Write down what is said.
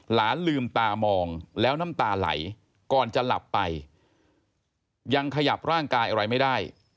หลานลืมตามองแล้วน้ำตาไหลก่อนจะหลับไปยังขยับร่างกายอะไรไม่ได้